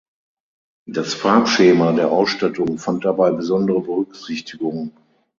Das Farbschema der Ausstattung fand dabei besondere Berücksichtigung.